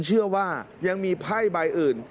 เชื่อว่ายังมีไพ่ใบอื่น